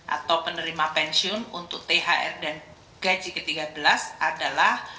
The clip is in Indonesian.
atau penerima pensiun untuk thr dan gaji ke tiga belas adalah